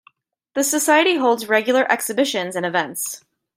The society holds regular exhibitions and events.